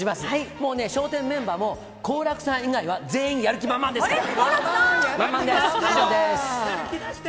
もうね、笑点メンバーも、好楽さん以外は全員やる気満々ですから。